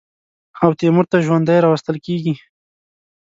او تیمور ته ژوندی راوستل کېږي.